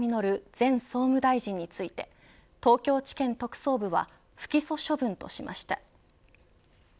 前総務大臣について東京地検特捜部は不起訴処分としました。